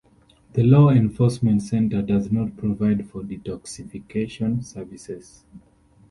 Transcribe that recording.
The Law Enforcement Center does not provide for detoxification services.